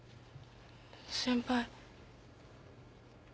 先輩。